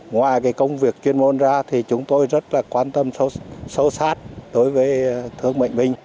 ngoài công việc chuyên môn ra thì chúng tôi rất là quan tâm sâu sát đối với thương bệnh binh